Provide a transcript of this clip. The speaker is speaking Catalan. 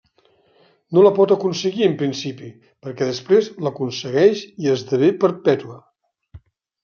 No la pot aconseguir en principi, perquè després l'aconsegueix i esdevé perpètua.